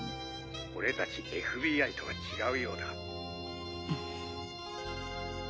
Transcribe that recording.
俺たちＦＢＩとは違うようだ。